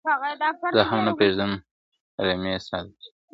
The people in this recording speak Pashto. زه هم نه پرېږدم رمې ستا د پسونو !.